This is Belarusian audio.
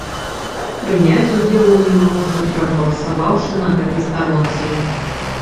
Прыняць удзел у ім можна, прагаласаваўшы на гэтай старонцы.